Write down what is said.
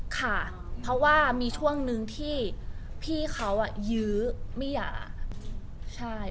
ค่ะเพราะว่ามีช่วงหนึ่งที่พี่เขายื้อมิหยา